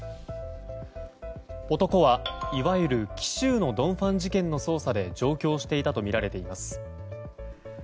男はいわゆる紀州のドン・ファン事件の捜査で上京していたとみられています。